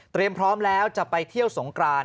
พร้อมแล้วจะไปเที่ยวสงกราน